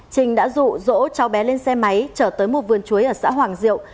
trình đã rụ rỗ cháu bé lên xe máy trở tới một vườn chuối ở xã hoàng diệu